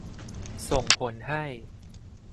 ส่งผลให้